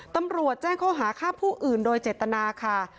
ตำรวจแจ้งข้อหาฆ่าผู้อื่นโดยเจตนาค่ะ